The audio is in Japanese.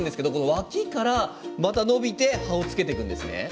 脇からまた伸びて葉をつけていくんです。